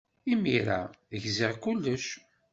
Imir-a, gziɣ kullec.